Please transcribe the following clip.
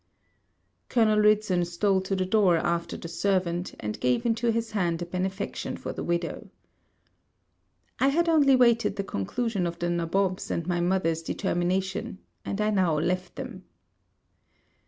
Colonel Ridson stole to the door after the servant, and gave into his hand a benefaction for the widow. I had only waited the conclusion of the nabob's and my mother's determination; and I now left them.